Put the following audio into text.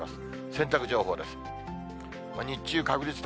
洗濯情報です。